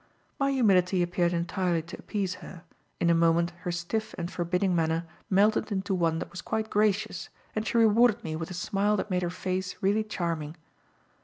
My humility appeared entirely to appease her; in a moment her stiff and forbidding manner melted into one that was quite gracious and she rewarded me with a smile that made her face really charming.